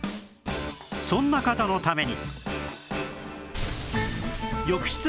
そんな方のために